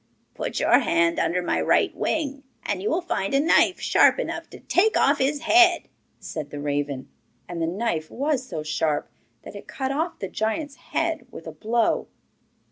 'Put your hand under my right wing and you will find a knife sharp enough to take off his head,' said the raven. And the knife was so sharp that it cut off the giant's head with a blow.